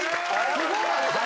すごい！